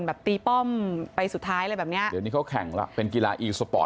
แบบตีป้อมไปสุดท้ายอะไรแบบเนี้ยเดี๋ยวนี้เขาแข่งแล้วเป็นกีฬาอีสปอร์ต